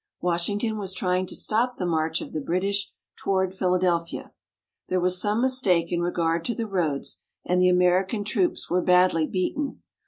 Washington was trying to stop the march of the British toward Philadelphia. There was some mistake in regard to the roads, and the American troops were badly beaten.